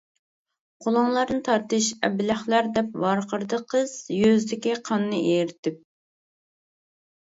-قولۇڭلارنى تارتىش، ئەبلەخلەر-دەپ ۋارقىرىدى قىز يۈزىدىكى قاننى ئېرىتىپ.